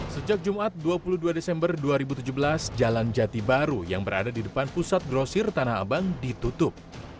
sejak jumat dua puluh dua desember dua ribu tujuh belas jalan jati baru yang berada di depan pusat grosir tanah abang ditutup